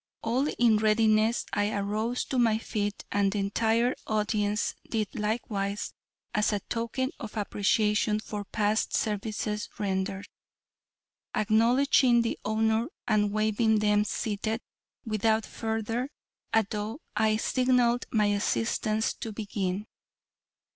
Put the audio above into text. All in readiness, I arose to my feet and the entire audience did likewise, as a token of appreciation for past services rendered. Acknowledging the honor and waiving them seated, without further ado I signaled my assistants to begin.